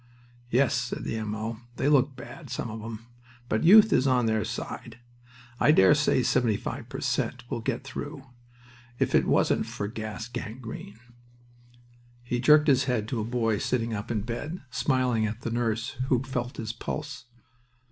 "Yes," said the M. O., "they look bad, some of 'em, but youth is on their side. I dare say seventy five per cent. will get through. If it wasn't for gas gangrene " He jerked his head to a boy sitting up in bed, smiling at the nurse who felt his pulse.